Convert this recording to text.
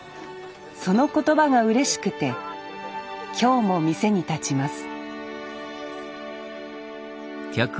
その言葉がうれしくて今日も店に立ちます